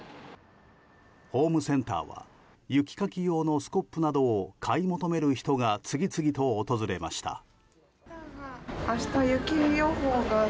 ホームセンターは雪かき用のスコップなどを買い求める人が次々と訪れました。